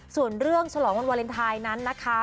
ส่วนเรื่องฉลองวันวาเลนไทยนั้นนะคะ